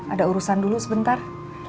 ada urusan dulu sebentar